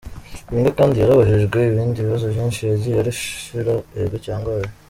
Wenger kandi yarabajijwe ibindi bibazo vyinshi yagiye arishura 'Ego' canke 'Oya'.